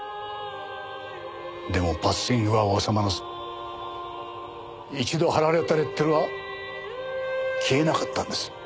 でもバッシングは収まらず一度貼られたレッテルは消えなかったんです。